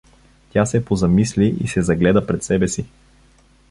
Тя се позамисли и се загледа пред себе си.